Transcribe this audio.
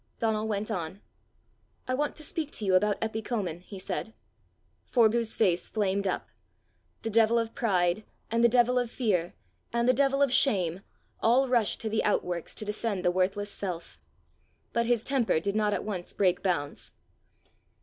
Donal went on: "I want to speak to you about Eppy Comin," he said. Forgue's face flamed up. The devil of pride, and the devil of fear, and the devil of shame, all rushed to the outworks to defend the worthless self. But his temper did not at once break bounds.